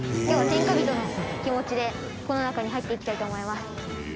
今日は天下人の気持ちでこの中に入っていきたいと思います。